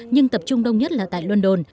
nhưng tập trung đông nhất là tại london